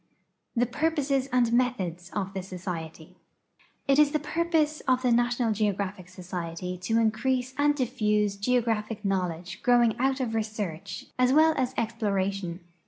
THE PURPOSES AXD METHODS OF THE SOCIETY It is the purpose of the National Geographic Society to increase and diffuse geographic knowledge growing out of research as well WORK OF THE NATIONAL GEOGRAPHIC SOCIETY 257 as exploration.